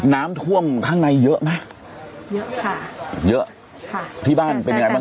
น้ำท่วมข้างในเยอะไหมเยอะค่ะเยอะค่ะที่บ้านเป็นยังไงบ้าง